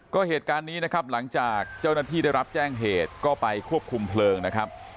ก็เหตุการณ์นี้นะครับหลังจากเจ้าหน้าที่ได้รับแจ้งเหตุก็ไปควบคุมเพลิงนะครับ